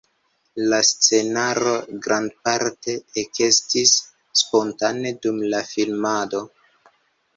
La scenaro grandparte ekestis spontane dum la filmado.